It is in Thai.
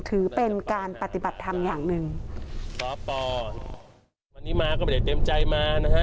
ถือเป็นการปฏิบัติธรรมอย่างหนึ่งสปวันนี้มาก็ไม่ได้เต็มใจมานะฮะ